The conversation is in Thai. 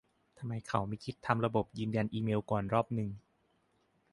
ทำไมเขาไม่คิดทำระบบยืนยันเมลก่อนรอบนึง